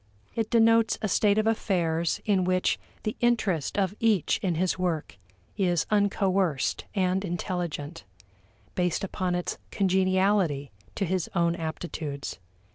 It denotes a state of affairs in which the interest of each in his work is uncoerced and intelligent: based upon its congeniality to his own aptitudes.